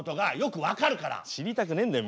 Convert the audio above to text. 知りたくねえんだよ